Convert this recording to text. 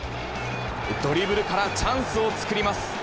ドリブルからチャンスを作ります。